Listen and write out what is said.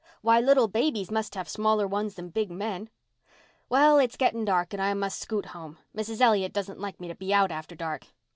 Why, little babies must have smaller ones than big men. Well, it's getting dark and I must scoot home. Mrs. Elliott doesn't like me to be out after dark.